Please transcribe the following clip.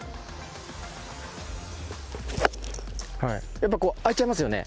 やっぱりこう開いちゃいますよね。